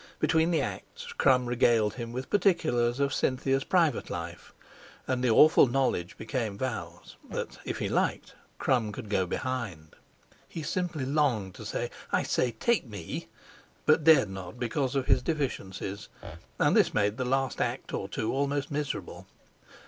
Between the acts Crum regaled him with particulars of Cynthia's private life, and the awful knowledge became Val's that, if he liked, Crum could go behind. He simply longed to say: "I say, take me!" but dared not, because of his deficiencies; and this made the last act or two almost miserable.